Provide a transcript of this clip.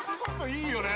いいよね